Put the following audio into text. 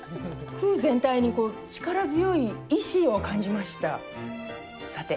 句全体に、こう力強い意志を感じました。